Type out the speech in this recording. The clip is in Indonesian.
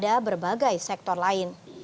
daripada berbagai sektor lain